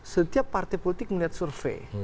setiap partai politik melihat survei